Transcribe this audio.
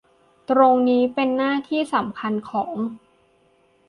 ตรงนี้เป็นหน้าที่สำคัญของ